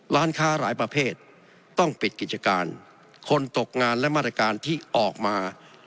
ร้านค้าหลายประเภทต้องปิดกิจการคนตกงานและมาตรการที่ออกมา